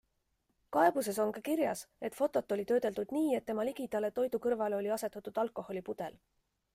Kaebuses on ka kirjas, et fotot oli töödeldud nii, et tema ligidale, toidu kõrvale, oli asetatud alkoholipudel.